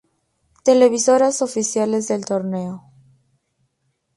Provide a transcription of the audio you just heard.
Televisoras oficiales del torneo.